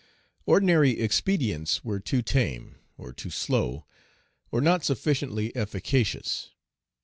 Ordinary expedients were too tame, or too slow, or not sufficiently efficacious.